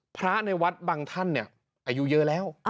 พระในวัดบางท่านเนี่ยอายุเยอะแล้ว